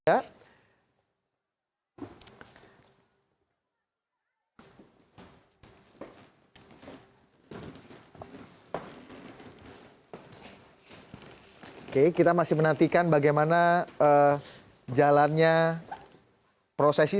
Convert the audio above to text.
oke kita masih menantikan bagaimana jalannya prosesi